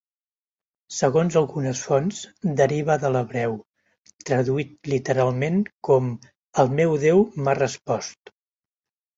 Segons algunes fonts, deriva de l'hebreu, traduït literalment com 'el meu Déu m'ha respost'.